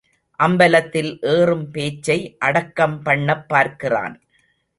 அம்பலத்தில் ஏறும் பேச்சை அடக்கம் பண்ணப் பார்க்கிறான்.